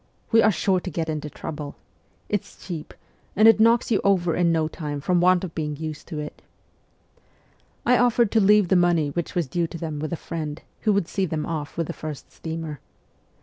' We are sure to get into trouble ! It's cheap, and it knocks you over in no time from want of being used to it !'... I offered to leave the money which was due to them with a friend, who would see them off with the first steamer.